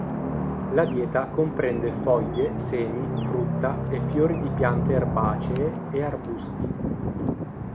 La dieta comprende foglie, semi, frutti e fiori di piante erbacee e arbusti.